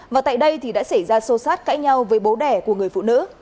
và tại đây thì đã xảy ra sâu sát cãi nhau với bố đẻ của người phụ nữ